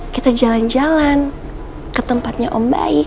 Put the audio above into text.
kita jalan jalan ke tempatnya om baik